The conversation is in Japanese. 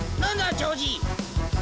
長次。